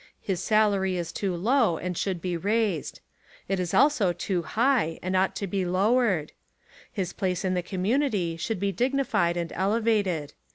His salary is too low and should be raised. It is also too high and ought to be lowered. His place in the community should be dignified and elevated.